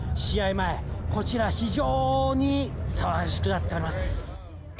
前、こちら非常に騒がしくなっております。